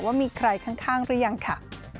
ว่ามีใครข้างหรือยังค่ะ